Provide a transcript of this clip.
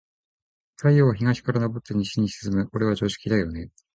太陽は、東から昇って西に沈む。これは常識だよね。